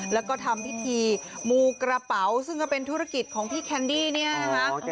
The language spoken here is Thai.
แล้วก็ทำพิธีมูกระเป๋าซึ่งก็เป็นธุรกิจของพี่แคนดี้เนี่ยนะคะ